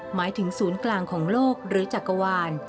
หมายถึงศูนย์กลางของโลกหรือจักรวาล